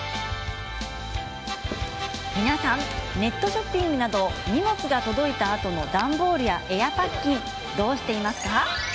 皆さんネットショッピングなど荷物が届いたあとの段ボールやエアパッキンどうしていますか？